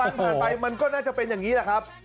มันผ่านไปมันก็น่าจะเป็นอย่างนี้แหละครับ